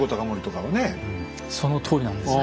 そのとおりなんです。